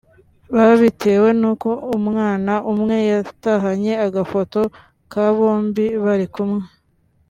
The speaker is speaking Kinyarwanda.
babitewe nuko umwana umwe yatahanye agafoto ka bombi bari kumwe